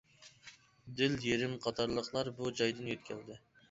دىل يېرىم قاتارلىقلار بۇ جايدىن يۆتكەلدى.